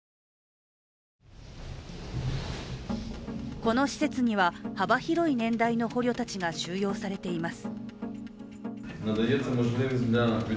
この施設には幅広い年代の捕虜たちが収容されています。